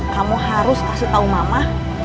kamu harus kasih tahu mama